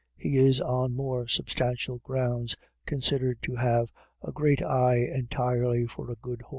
He is on more substantial grounds considered to have "a great eye entirely for a good horse."